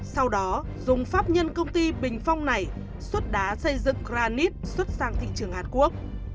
sau đó dùng pháp nhân công ty bình phong này xuất đá xây dựng granite xuất sang thị trường hàn quốc